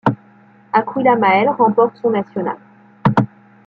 L'Aquila Mael remporte son national.